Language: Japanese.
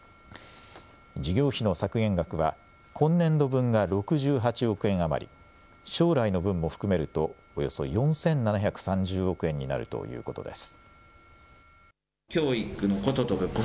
事業費の削減額は今年度分が６８億円余り、将来の分も含めるとおよそ４７３０億円になるということです。